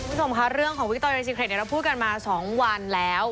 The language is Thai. คุณผู้ชมคะเรื่องของวิกตรวิจิเครตเนี่ยเราพูดกันมาสองวันแล้ว